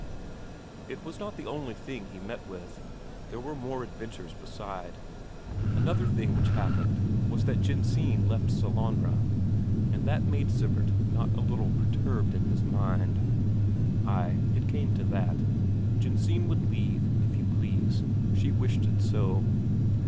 It was not the only thing he met with there were more adventures beside. Another thing which happened was that Jensine left Sellanraa. And that made Sivert not a little perturbed in his mind. Ay, it came to that: Jensine would leave, if you please; she wished it so.